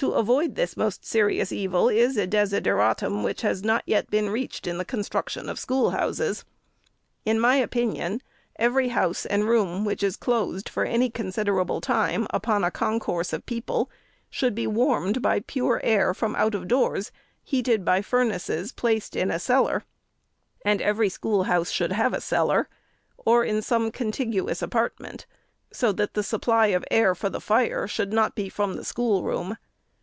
To avoid this most serious evil, is a desideratum, which has not yet been reached in the construction of schoolhouses. In my opinion, every house and room which is closed for any con siderable time upon a concourse of people should be warmed by pure air from out of doors, heated by furnaces placed in a cellar, (and every schoolhouse should have a cellar,) or in some contiguous apartment, so that the supply of air for the fire should not be from the schoolroom.